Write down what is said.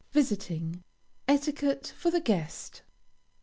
VISITING. ETIQUETTE FOR THE GUEST.